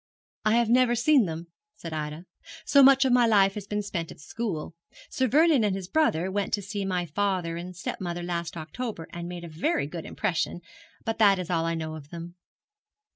'I have never seen them,' said Ida, 'so much of my life has been spent at school. Sir Vernon and his brother went to see my father and step mother last October, and made a very good impression. But that is all I know of them.'